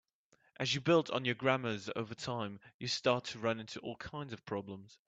As you build on your grammars over time, you start to run into all kinds of problems.